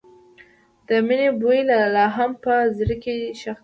د مینې بوی لا هم په زړګي کې ښخ دی.